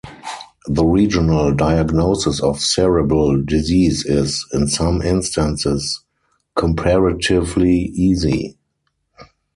The regional diagnosis of cerebral disease is, in some instances, comparatively easy.